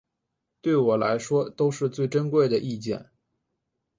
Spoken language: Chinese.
对我来说都是最珍贵的意见